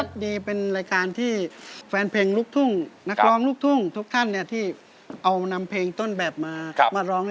ดีเป็นรายการที่แฟนเพลงลูกทุ่งนักร้องลูกทุ่งทุกท่านที่เอานำเพลงต้นแบบมามาร้อง